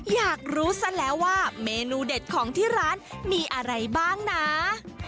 อยากรู้ซะแล้วว่าเมนูเด็ดของที่ร้านมีอะไรบ้างนะ